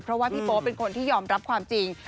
เพราะว่าพี่โป๊เป็นคนที่ยอมรับความจริง